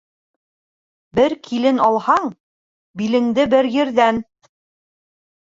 Бер килен алһаң, билеңде бер ерҙән